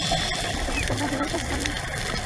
سر بحفظ الله وارجع سالما